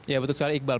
ya betul sekali iqbal